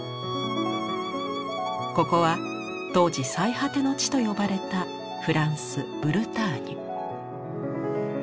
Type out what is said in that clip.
ここは当時「最果ての地」と呼ばれたフランスブルターニュ。